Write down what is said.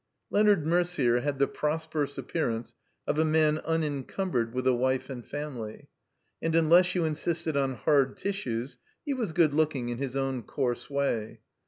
Leonard Merder had the prosper ous appearance of a man unenctunbered with a wife and family. And unless you insisted on hard tissues he was good looking in his own coarse way.